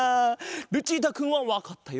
ルチータくんはわかったようだぞ。